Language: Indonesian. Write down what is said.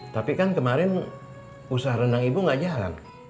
tapi kan kemarin usaha rendang ibu enggak jalan